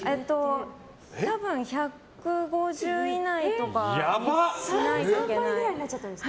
多分１５０以内とかにしないといけない。